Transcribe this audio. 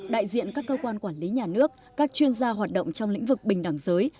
đại diện các cơ quan quản lý nhà nước các chuyên gia hoạt động trong lĩnh vực bình đẳng giới